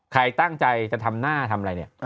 ใครตั้งใจจะทำหน้าอย่างไร